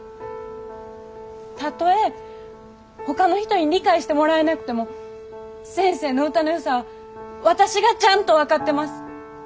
たとえほかの人に理解してもらえなくても先生の歌のよさは私がちゃんと分かってます。